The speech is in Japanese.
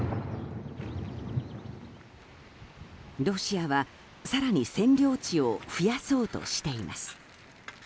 ロシアは更に占領地を増やそうとしています。